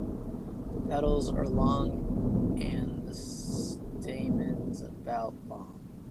The petals are long and the stamens about long.